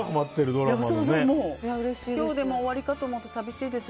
でも今日で終わりかと思うと寂しいです。